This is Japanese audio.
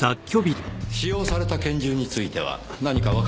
使用された拳銃については何かわかりましたか？